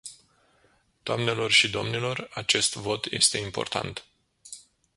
Doamnelor și domnilor, acest vot este important.